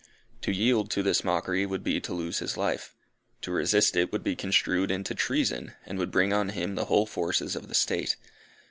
To yield to this mockery would be to lose his life. To resist it would be construed into treason and would bring on him the whole forces of the State.